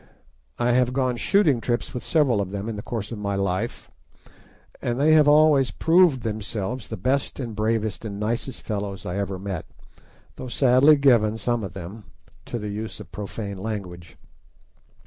I have gone shooting trips with several of them in the course of my life, and they have always proved themselves the best and bravest and nicest fellows I ever met, though sadly given, some of them, to the use of profane language.